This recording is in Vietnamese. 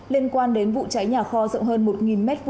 liên quan đến vụ cháy nhà kho rộng hơn một m hai